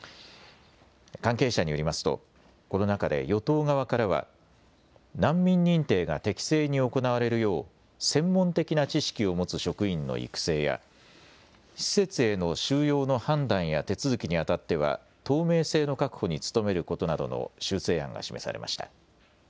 関係者によりますとこの中で与党側からは難民認定が適正に行われるよう専門的な知識を持つ職員の育成や施設への収容の判断や手続きにあたっては透明性の確保に努めることなどの修正案が示されました。